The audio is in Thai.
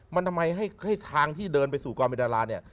มันทำไมให้ทางที่เดินไปสู่ความเป็นดาราเนี่ย